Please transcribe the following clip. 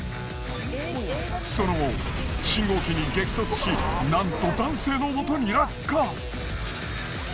その後信号機に激突しなんと男性のもとに落下。